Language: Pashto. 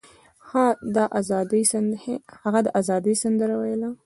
هغه د ازادۍ سندره ویله.